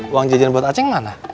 uang jajan buat aceh mana